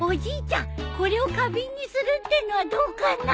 これを花瓶にするってのはどうかな？